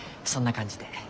そんな感じで。